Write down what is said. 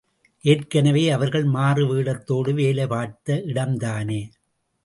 ஏற்கெனவே அவர்கள் மாறுவேடத்தோடு வேலை பார்த்த இடம்தானே?